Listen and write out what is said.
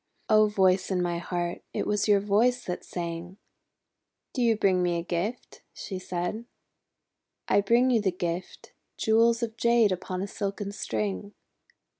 :'O Voice in my heart, it was your voice that sang!' 'Do you bring me a gift?" she said. "I bring you the gift, jewels of Jade upon a silken string."